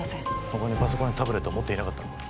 他にパソコンやタブレットは持っていなかったのか？